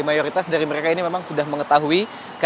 mayoritas dari mereka ini memang sudah mengetahui